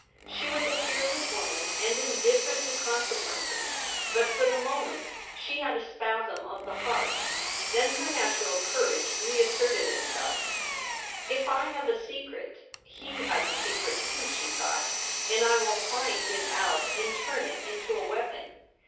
She was a fearless woman and indifferent to conse quences, but for the moment she had a spasm of the heart. Then her natural courage re asserted itself * If I have a secret, he has a secret too,' she thought, ' and I will find his out and turn it into a weapon.